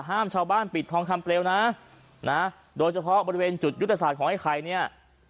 ชาวบ้านปิดทองคำเปลวนะนะโดยเฉพาะบริเวณจุดยุทธศาสตร์ของไอ้ไข่เนี่ย